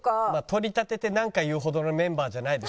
取り立ててなんか言うほどのメンバーじゃないです。